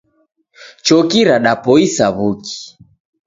Choki radapoisa w'uki.